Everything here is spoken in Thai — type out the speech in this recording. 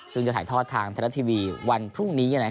ซึ่งจะถ่ายทอดทางไทยรัฐทีวีวันพรุ่งนี้